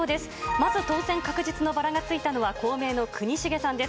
まず当選確実のバラがついたのは公明の国重さんです。